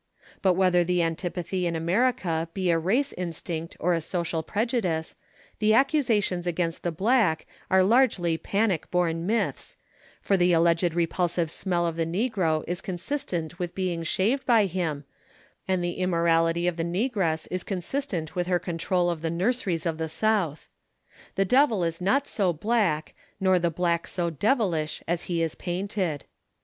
But whether the antipathy in America be a race instinct or a social prejudice, the accusations against the black are largely panic born myths, for the alleged repulsive smell of the negro is consistent with being shaved by him, and the immorality of the negress is consistent with her control of the nurseries of the South. The devil is not so black nor the black so devilish as he is painted.